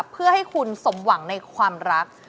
เพื่อให้คุณสมหวังในความรัก